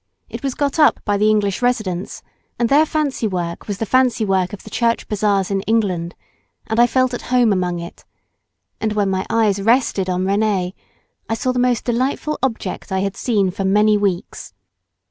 It was got up by the English residents, and their fancy work was the fancy work of the church bazaars in England, and I felt at home among it, and when my eyes rested on Rénee I saw the most delightful object I had seen for many weeks.